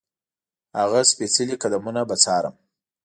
هغه سپېڅلي قدمونه به څارم.